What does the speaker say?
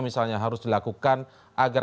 misalnya harus dilakukan agar